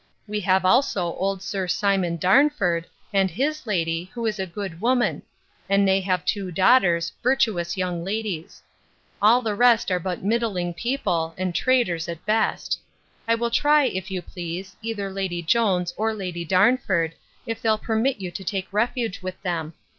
We have also old Sir Simon Darnford, and his lady, who is a good woman; and they have two daughters, virtuous young ladies. All the rest are but middling people, and traders, at best. I will try, if you please, either Lady Jones, or Lady Darnford, if they'll permit you to take refuge with them.